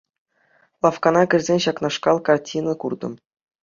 Лавккана кӗрсен ҫакнашкал картина куртӑм.